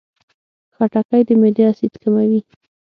خټکی د معدې اسید کموي.